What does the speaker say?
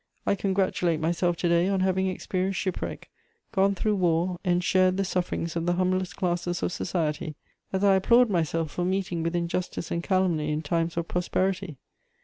I congratulate myself to day on having experienced shipwreck, gone through war, and shared the sufferings of the humblest classes of society, as I applaud myself for meeting with injustice and calumny in times of prosperity.